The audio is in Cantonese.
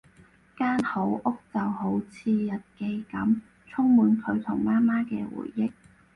間好屋就好似日記噉，充滿佢同媽媽嘅回憶